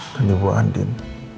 dan ibu andin